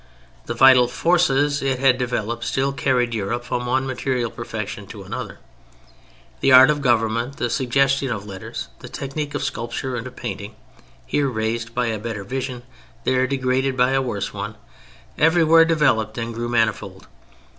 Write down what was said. The vital forces it had developed still carried Europe from one material perfection to another; the art of government, the suggestion of letters, the technique of sculpture and of painting (here raised by a better vision, there degraded by a worse one), everywhere developed and grew manifold.